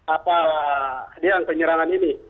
apa yang penyerangan ini